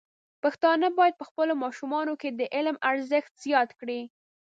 پښتانه بايد په خپلو ماشومانو کې د علم ارزښت زیات کړي.